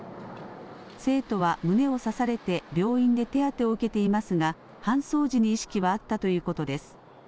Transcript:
生徒は胸を刺されて病院で手当てを受けていますが搬送時に意識はあったということです。